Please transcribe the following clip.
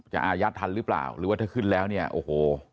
อายัดทันหรือเปล่าหรือว่าถ้าขึ้นแล้วเนี่ยโอ้โห